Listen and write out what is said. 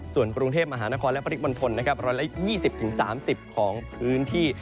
ส่วนกรุงเทพฯมหานครและภริกบรรทนนะครับ๑๒๐๓๐ของพื้นที่